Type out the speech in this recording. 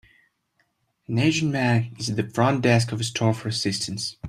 An asian man is at the front desk of a store for assistance